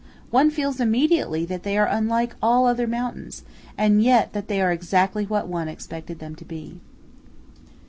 One feels immediately that they are unlike all other mountains, and yet that they are exactly what one expected them to be.